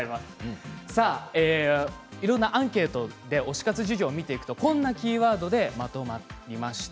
いろんなアンケートで推し活事情を見ていくとこんなキーワードでまとまりました。